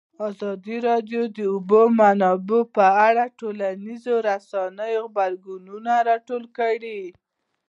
ازادي راډیو د د اوبو منابع په اړه د ټولنیزو رسنیو غبرګونونه راټول کړي.